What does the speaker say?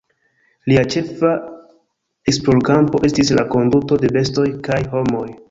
Lia ĉefa esplorkampo estis la konduto de bestoj kaj homoj.